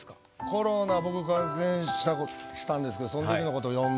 コロナ僕感染したんですけどその時の事詠んで。